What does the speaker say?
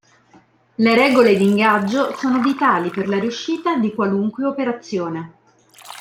Le "regole di ingaggio" sono vitali per la riuscita di qualunque operazione.